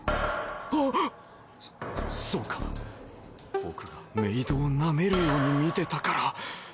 ハッそそうか僕がメイドをなめるように見てたから。